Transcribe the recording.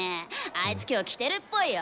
あいつ今日来てるっぽいよ。